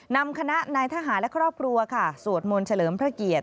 นำคณะนายทหารและครอบครัวค่ะสวดมนต์เฉลิมพระเกียรติ